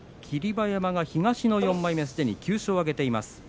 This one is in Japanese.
霧馬山が東の４枚目すでに９勝を挙げています。